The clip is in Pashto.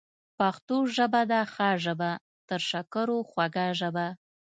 پښتو ژبه ده ښه ژبه، تر شکرو خوږه ژبه